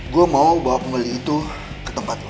gue mau bawa pembeli itu ke tempat lo